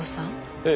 ええ。